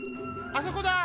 あそこだ！